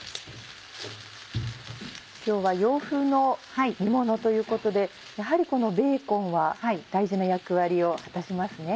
今日は洋風の煮ものということでやはりこのベーコンは大事な役割を果たしますね。